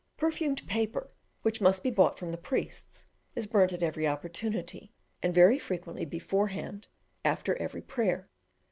Perfumed paper, which must be bought from the priests, is burnt at every opportunity, and very frequently beforehand, after every prayer.